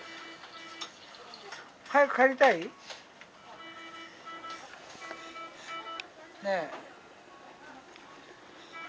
早く帰りたい？ねえ。